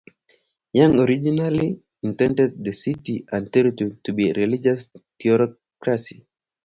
Young originally intended the city and territory to be a religious theocracy.